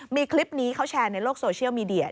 มีคลิปนี้เขาแชร์ในโลกโซเชียลมีเดีย